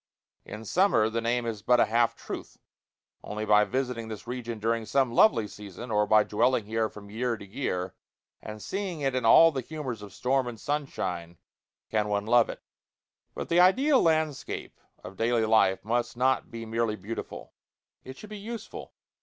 In summer the name is but a half truth. Only by visiting this region during some lovely season, or by dwelling here from year to year, and seeing it in all the humors of storm and sunshine, can one love it. III But the ideal landscape of daily life must not be merely beautiful: it should be useful.